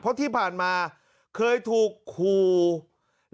เพราะที่ผ่านมาเคยถูกขู่